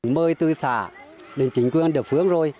mới tư xã đền chính quyền đều phước rồi